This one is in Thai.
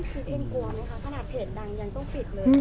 แล้วพี่คุณกลัวไหมคะขนาดเพจดังยังต้องปิดเลย